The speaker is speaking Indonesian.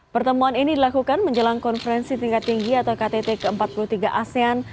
pertemuan ini dilakukan menjelang konferensi tingkat tinggi atau ktt ke empat puluh tiga asean